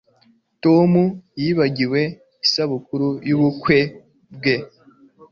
Tom yibagiwe isabukuru yubukwe bwe